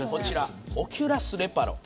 オキュラス・レパロ。